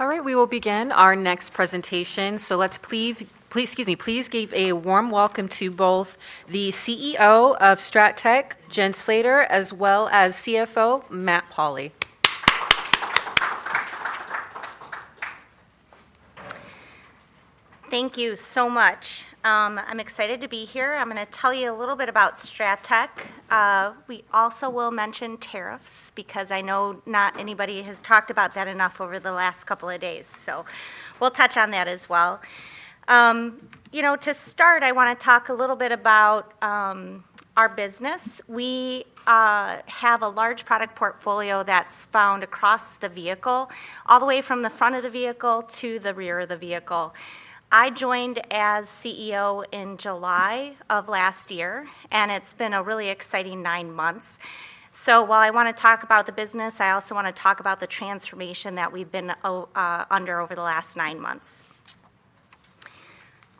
All right, we will begin our next presentation. Please give a warm welcome to both the CEO of Strattec, Jen Slater, as well as CFO, Matt Pauli. Thank you so much. I'm excited to be here. I'm going to tell you a little bit about Strattec. We also will mention tariffs because I know not anybody has talked about that enough over the last couple of days. You know, to start, I want to talk a little bit about our business. We have a large product portfolio that's found across the vehicle, all the way from the front of the vehicle to the rear of the vehicle. I joined as CEO in July of last year, and it's been a really exciting nine months. While I want to talk about the business, I also want to talk about the transformation that we've been under over the last nine months.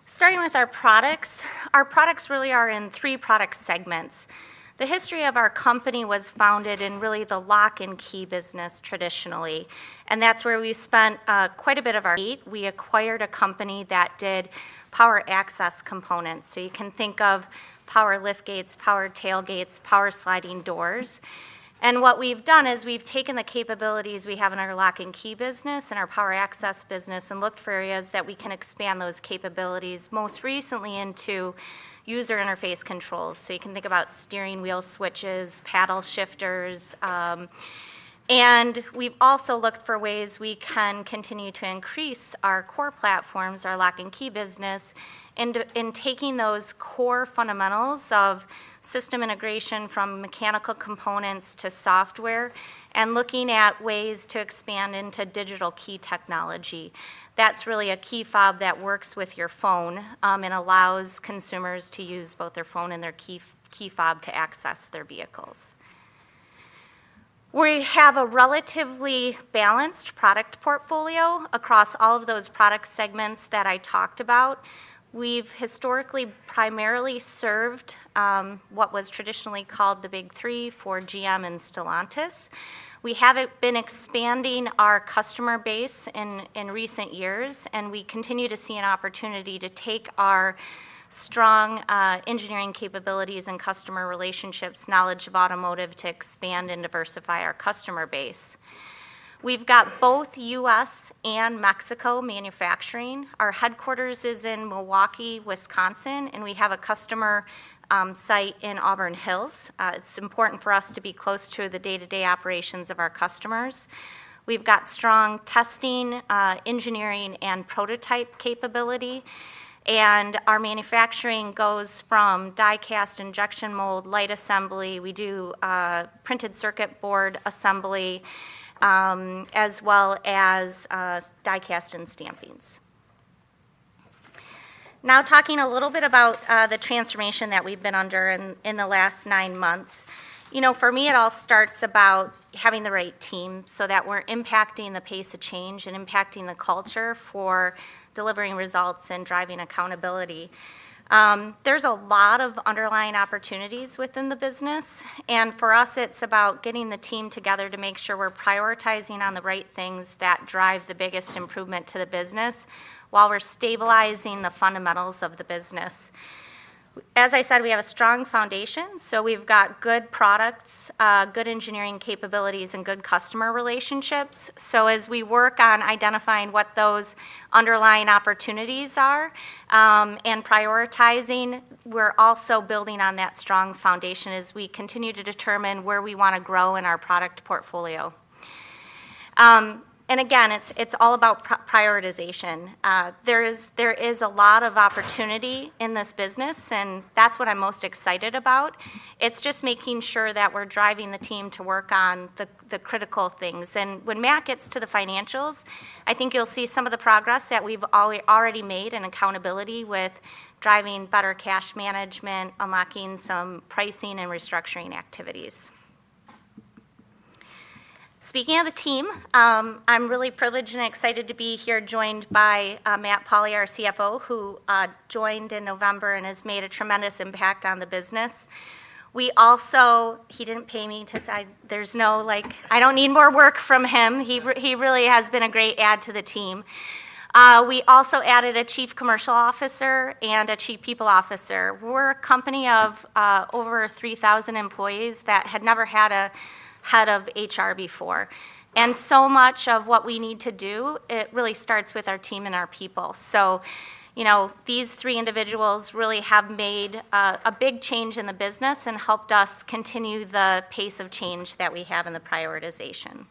Starting with our products, our products really are in three product segments. The history of our company was founded in really the lock and key business traditionally, and that's where we spent quite a bit of our time. We acquired a company that did power access components. You can think of power liftgates, power tailgates, power sliding doors. What we've done is we've taken the capabilities we have in our lock and key business and our power access business and looked for areas that we can expand those capabilities, most recently into user interface controls. You can think about steering wheel switches, paddle shifters. We've also looked for ways we can continue to increase our core platforms, our lock and key business, in taking those core fundamentals of system integration from mechanical components to software and looking at ways to expand into digital key technology. That's really a key fob that works with your phone and allows consumers to use both their phone and their key fob to access their vehicles. We have a relatively balanced product portfolio across all of those product segments that I talked about. We've historically primarily served what was traditionally called the Big Three, Ford, GM and Stellantis. We have been expanding our customer base in recent years, and we continue to see an opportunity to take our strong engineering capabilities and customer relationships, knowledge of automotive, to expand and diversify our customer base. We've got both U.S. and Mexico manufacturing. Our headquarters is in Milwaukee, Wisconsin, and we have a customer site in Auburn Hills. It's important for us to be close to the day-to-day operations of our customers. We've got strong testing, engineering, and prototype capability. Our manufacturing goes from die-cast, injection mold, light assembly. We do printed circuit board assembly, as well as die-cast and stampings. Now, talking a little bit about the transformation that we've been under in the last nine months, you know, for me, it all starts about having the right team so that we're impacting the pace of change and impacting the culture for delivering results and driving accountability. There's a lot of underlying opportunities within the business. For us, it's about getting the team together to make sure we're prioritizing on the right things that drive the biggest improvement to the business while we're stabilizing the fundamentals of the business. As I said, we have a strong foundation. We've got good products, good engineering capabilities, and good customer relationships. As we work on identifying what those underlying opportunities are and prioritizing, we're also building on that strong foundation as we continue to determine where we want to grow in our product portfolio. Again, it's all about prioritization. There is a lot of opportunity in this business, and that's what I'm most excited about. It's just making sure that we're driving the team to work on the critical things. When Matt gets to the financials, I think you'll see some of the progress that we've already made in accountability with driving better cash management, unlocking some pricing and restructuring activities. Speaking of the team, I'm really privileged and excited to be here joined by Matt Pauli, our CFO, who joined in November and has made a tremendous impact on the business. He didn't pay me to say this. I don't need more work from him. He really has been a great add to the team. We also added a Chief Commercial Officer and a Chief People Officer. We're a company of over 3,000 employees that had never had a head of HR before. And so much of what we need to do, it really starts with our team and our people. You know, these three individuals really have made a big change in the business and helped us continue the pace of change that we have in the prioritization.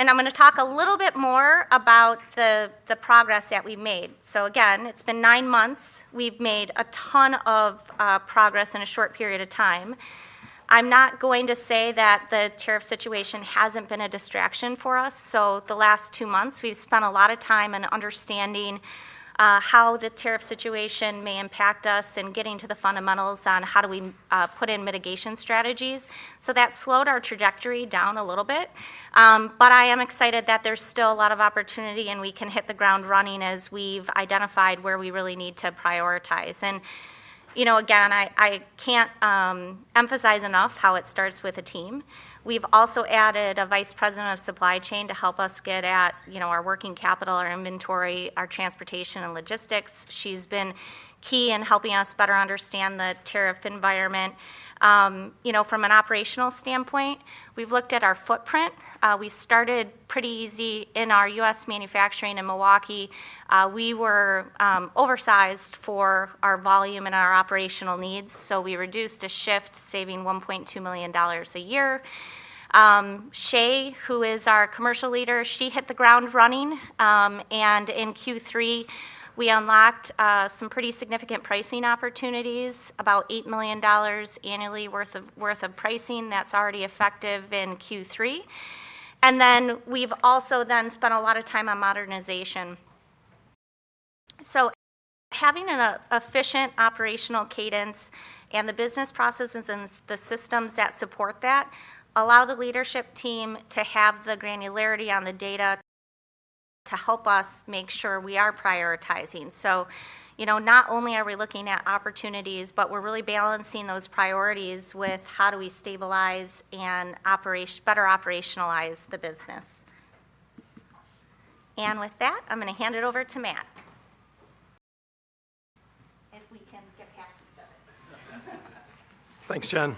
I'm going to talk a little bit more about the progress that we've made. Again, it's been nine months. We've made a ton of progress in a short period of time. I'm not going to say that the tariff situation hasn't been a distraction for us. The last two months, we've spent a lot of time in understanding how the tariff situation may impact us and getting to the fundamentals on how do we put in mitigation strategies. That slowed our trajectory down a little bit. I am excited that there's still a lot of opportunity and we can hit the ground running as we've identified where we really need to prioritize. You know, again, I can't emphasize enough how it starts with a team. We've also added a Vice President of Supply Chain to help us get at, you know, our working capital, our inventory, our transportation, and logistics. She's been key in helping us better understand the tariff environment. You know, from an operational standpoint, we've looked at our footprint. We started pretty easy in our U.S. manufacturing in Milwaukee. We were oversized for our volume and our operational needs. We reduced a shift, saving $1.2 million a year. Chey, who is our commercial leader, she hit the ground running. In Q3, we unlocked some pretty significant pricing opportunities, about $8 million annually worth of pricing that's already effective in Q3. We have also spent a lot of time on modernization. Having an efficient operational cadence and the business processes and the systems that support that allow the leadership team to have the granularity on the data to help us make sure we are prioritizing. You know, not only are we looking at opportunities, but we're really balancing those priorities with how do we stabilize and better operationalize the business. With that, I'm going to hand it over to Matt. If we can get past each other. Thanks, Jen.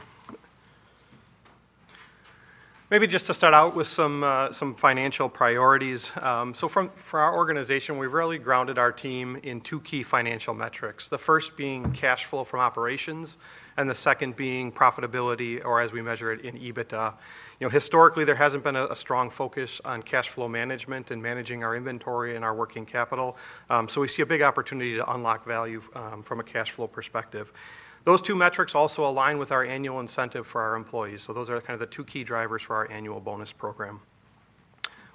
Maybe just to start out with some financial priorities. For our organization, we've really grounded our team in two key financial metrics, the first being cash flow from operations and the second being profitability, or as we measure it in EBITDA. You know, historically, there hasn't been a strong focus on cash flow management and managing our inventory and our working capital. We see a big opportunity to unlock value from a cash flow perspective. Those two metrics also align with our annual incentive for our employees. Those are kind of the two key drivers for our annual bonus program.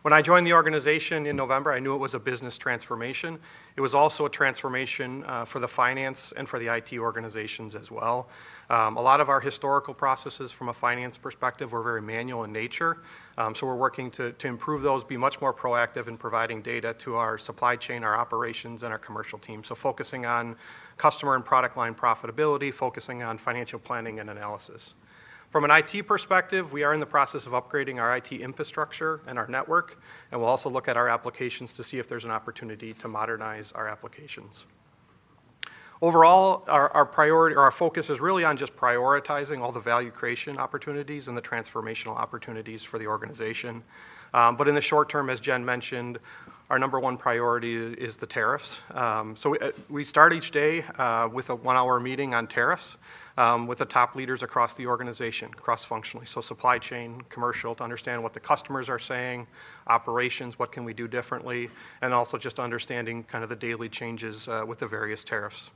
When I joined the organization in November, I knew it was a business transformation. It was also a transformation for the finance and for the IT organizations as well. A lot of our historical processes from a finance perspective were very manual in nature. We're working to improve those, be much more proactive in providing data to our supply chain, our operations, and our commercial team. Focusing on customer and product line profitability, focusing on financial planning and analysis. From an IT perspective, we are in the process of upgrading our IT infrastructure and our network, and we'll also look at our applications to see if there's an opportunity to modernize our applications. Overall, our focus is really on just prioritizing all the value creation opportunities and the transformational opportunities for the organization. In the short term, as Jen mentioned, our number one priority is the tariffs. We start each day with a one-hour meeting on tariffs with the top leaders across the organization, cross-functionally. Supply chain, commercial, to understand what the customers are saying, operations, what can we do differently, and also just understanding kind of the daily changes with the various tariffs.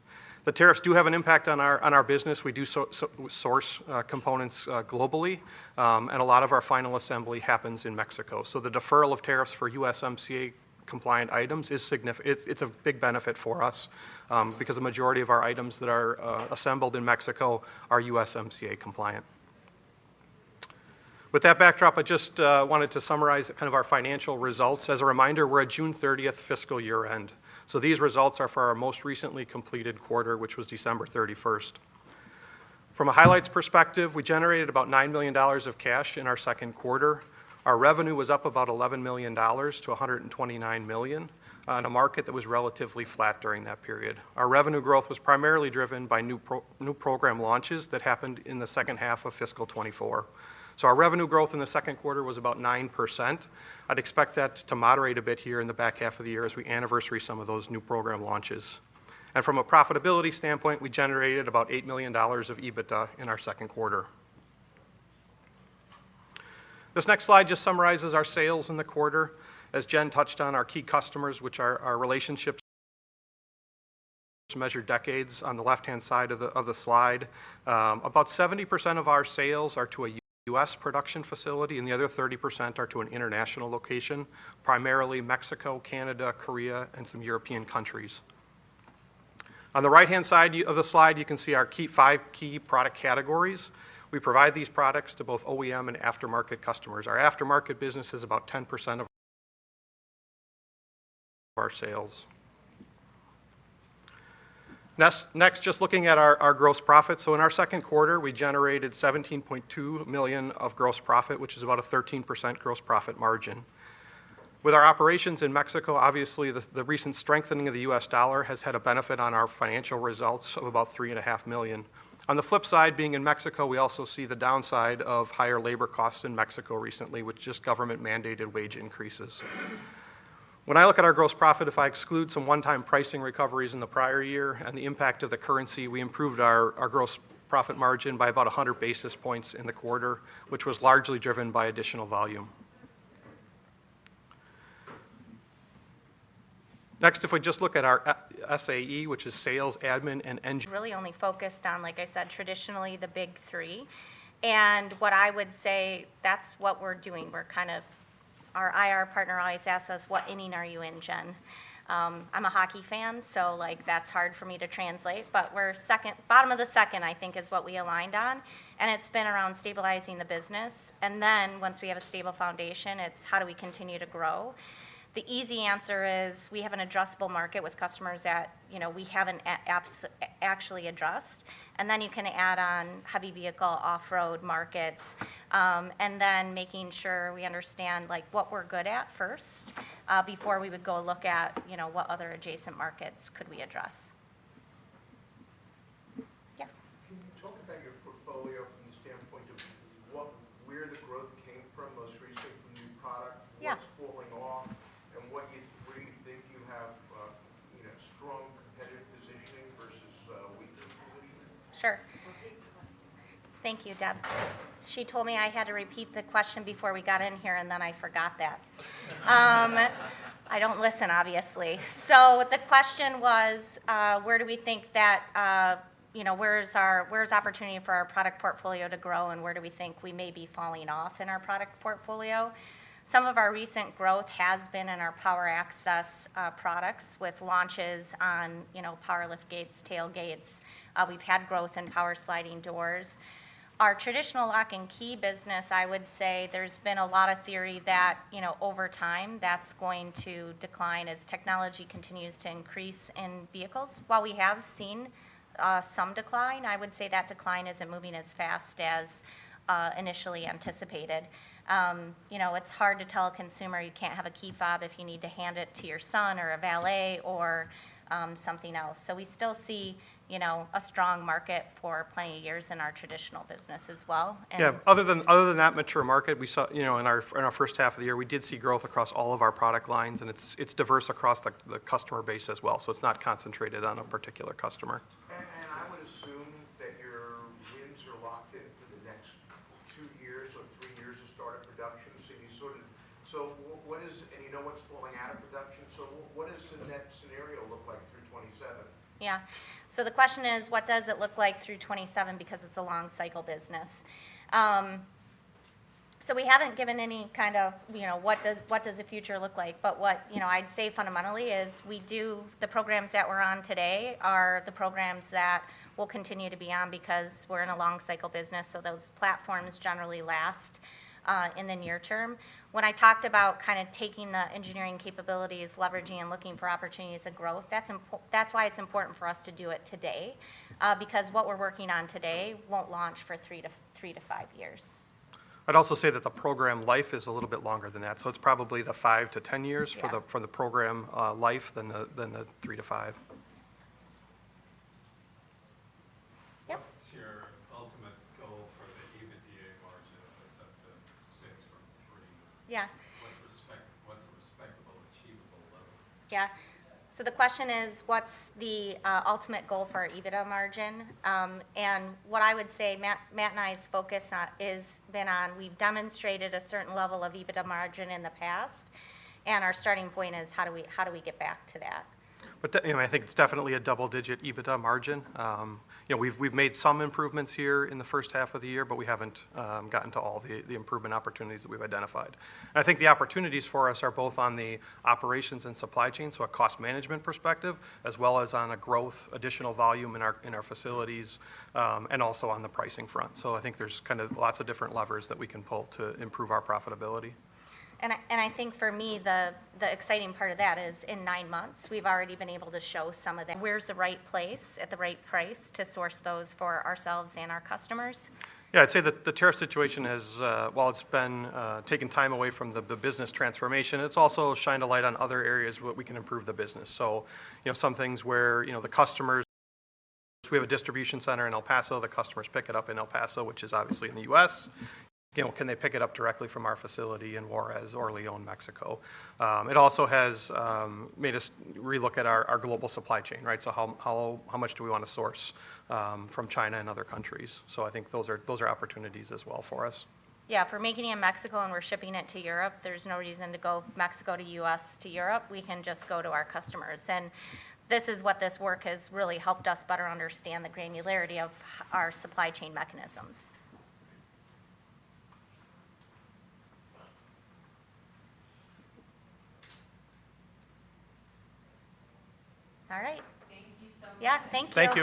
The tariffs do have an impact on our business. We do source components globally, and a lot of our final assembly happens in Mexico. The deferral of tariffs for USMCA-compliant items is significant. It is a big benefit for us because the majority of our items that are assembled in Mexico are USMCA-compliant. With that backdrop, I just wanted to summarize kind of our financial results. As a reminder, we are at June 30 fiscal year-end. These results are for our most recently completed quarter, which was December 31. From a highlights perspective, we generated about $9 million of cash in our second quarter. Our revenue was up about $11 million to $129 million in a market that was relatively flat during that period. Our revenue growth was primarily driven by new program launches that happened in the second half of fiscal 2024. Our revenue growth in the second quarter was about 9%. I would expect that to moderate a bit here in the back half of the year as we anniversary some of those new program launches. From a profitability standpoint, we generated about $8 million of EBITDA in our second quarter. This next slide just summarizes our sales in the quarter. As Jen touched on, our key customers, which are our relationships, measured decades on the left-hand side of the slide. About 70% of our sales are to a U.S. production facility, and the other 30% are to an international location, primarily Mexico, Canada, Korea, and some European countries. On the right-hand side of the slide, you can see our five key product categories. We provide these products to both OEM and aftermarket customers. Our aftermarket business is about 10% of our sales. Next, just looking at our gross profits. In our second quarter, we generated $17.2 million of gross profit, which is about a 13% gross profit margin. With our operations in Mexico, obviously, the recent strengthening of the U.S. dollar has had a benefit on our financial results of about $3.5 million. On the flip side, being in Mexico, we also see the downside of higher labor costs in Mexico recently, which just government-mandated wage increases. When I look at our gross profit, if I exclude some one-time pricing recoveries in the prior year and the impact of the currency, we improved our gross profit margin by about 100 basis points in the quarter, which was largely driven by additional volume. Next, if we just look at our SG&A, which is Sales, General, and Administrative. Really only focused on, like I said, traditionally the Big Three. What I would say, that's what we're doing. Our IR partner always asks us, "What inning are you in, Jen?" I'm a hockey fan, so that's hard for me to translate. We're second bottom of the second, I think, is what we aligned on. It's been around stabilizing the business. Once we have a stable foundation, it's how do we continue to grow? The easy answer is we have an addressable market with customers that, you know, we haven't actually addressed. You can add on heavy vehicle, off-road markets, and then making sure we understand what we're good at first before we would go look at what other adjacent markets could we address. Yeah. Can you talk about your portfolio from the standpoint of where the growth came from most recently from new product, what's falling off, and where you think you have, you know, strong competitive positioning versus weak positioning? Sure. Thank you, Deb. She told me I had to repeat the question before we got in here, and then I forgot that. I do not listen, obviously. The question was, where do we think that, you know, where is our opportunity for our product portfolio to grow, and where do we think we may be falling off in our product portfolio? Some of our recent growth has been in our power access products with launches on, you know, power liftgates, tailgates. We have had growth in power sliding doors. Our traditional lock and key business, I would say there has been a lot of theory that, you know, over time that is going to decline as technology continues to increase in vehicles. While we have seen some decline, I would say that decline is not moving as fast as initially anticipated. You know, it's hard to tell a consumer you can't have a key fob if you need to hand it to your son or a valet or something else. You know, we still see a strong market for plenty of years in our traditional business as well. Yeah. Other than that mature market, we saw, you know, in our first half of the year, we did see growth across all of our product lines, and it's diverse across the customer base as well. It is not concentrated on a particular customer. I would assume that your wins are locked in for the next two years or three years of startup production. You sort of, so what is, and you know what's falling out of production. What does the next scenario look like through 2027? Yeah. The question is, what does it look like through 2027 because it's a long-cycle business? We haven't given any kind of, you know, what does the future look like, but what, you know, I'd say fundamentally is we do the programs that we're on today are the programs that we'll continue to be on because we're in a long-cycle business. Those platforms generally last in the near term. When I talked about kind of taking the engineering capabilities, leveraging and looking for opportunities of growth, that's why it's important for us to do it today because what we're working on today won't launch for three to five years. I'd also say that the program life is a little bit longer than that. So it's probably the five to ten years for the program life than the three to five. Yep. What's your ultimate goal for the EBITDA margin if it's up to 6 from 3? Yeah. What's a respectable, achievable level? Yeah. The question is, what's the ultimate goal for our EBITDA margin? What I would say Matt and I's focus has been on, we've demonstrated a certain level of EBITDA margin in the past, and our starting point is how do we get back to that? You know, I think it's definitely a double-digit EBITDA margin. You know, we've made some improvements here in the first half of the year, but we haven't gotten to all the improvement opportunities that we've identified. I think the opportunities for us are both on the operations and supply chain, so a cost management perspective, as well as on a growth, additional volume in our facilities, and also on the pricing front. I think there's kind of lots of different levers that we can pull to improve our profitability. I think for me, the exciting part of that is in nine months, we've already been able to show some of where's the right place at the right price to source those for ourselves and our customers. Yeah. I'd say that the tariff situation has, while it's been taking time away from the business transformation, it's also shined a light on other areas where we can improve the business. You know, some things where, you know, the customers, we have a distribution center in El Paso. The customers pick it up in El Paso, which is obviously in the U.S. You know, can they pick it up directly from our facility in Juárez or León, Mexico? It also has made us relook at our global supply chain, right? How much do we want to source from China and other countries? I think those are opportunities as well for us. Yeah. For making it in Mexico and we're shipping it to Europe, there's no reason to go Mexico to U.S. to Europe. We can just go to our customers. This is what this work has really helped us better understand, the granularity of our supply chain mechanisms. All right. Thank you so much. Thank you hank you.